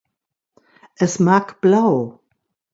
Es mag blau